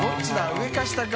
上か下か。